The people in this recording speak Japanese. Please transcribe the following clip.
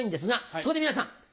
そこで皆さん